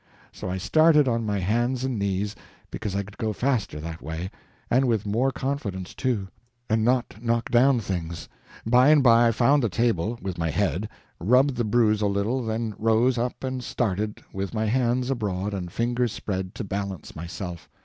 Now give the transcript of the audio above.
So I started on my hands and knees, because I could go faster that way, and with more confidence, too, and not knock down things. By and by I found the table with my head rubbed the bruise a little, then rose up and started, with hands abroad and fingers spread, to balance myself.